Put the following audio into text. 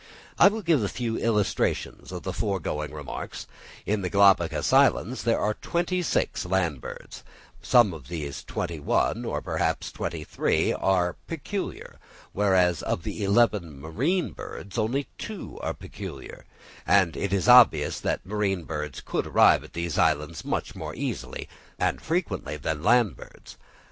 I will give a few illustrations of the foregoing remarks: in the Galapagos Islands there are twenty six land birds; of these twenty one (or perhaps twenty three) are peculiar; whereas of the eleven marine birds only two are peculiar; and it is obvious that marine birds could arrive at these islands much more easily and frequently than land birds.